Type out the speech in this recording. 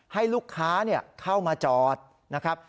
ให้ลูกค้าเข้ามาจอดนะครับ